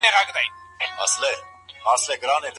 زمرد بې ځلا نه وي.